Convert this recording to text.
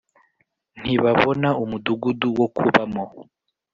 Ntibabona umudugudu wo kubamo